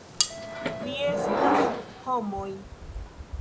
Vi estas homoj!